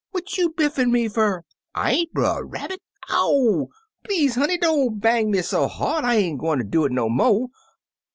What you biffin' me fer? I ain't Brer Rabbit! Ow! Please, honey, don't bang me so hard; I ain't gwine do it no mo'.'